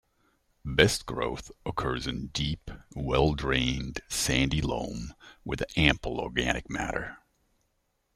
Best growth occurs in deep, well drained, sandy loam with ample organic matter.